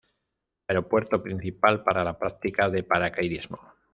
Aeropuerto principal para la práctica de paracaidismo.